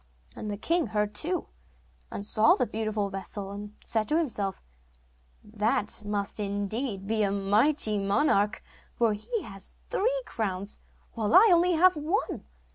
And the king heard too, and saw the beautiful vessel, and said to himself: 'That must indeed be a mighty monarch, for he has three crowns while I have only one.